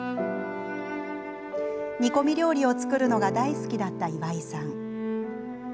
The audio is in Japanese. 煮込み料理を作るのが大好きだった岩井さん。